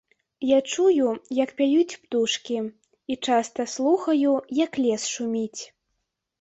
Я чую, як пяюць птушкі, і часта слухаю, як лес шуміць.